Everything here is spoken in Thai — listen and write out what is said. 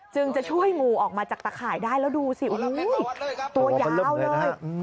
จะช่วยงูออกมาจากตะข่ายได้แล้วดูสิโอ้โหตัวยาวเลย